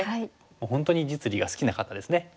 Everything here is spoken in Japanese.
もう本当に実利が好きな方ですね。